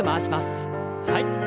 はい。